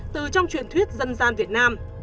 từ trong truyền thuyết dân gian việt nam